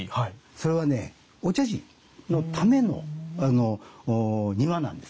それはねお茶事のための庭なんです。